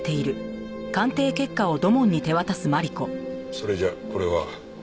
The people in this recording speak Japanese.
それじゃこれは。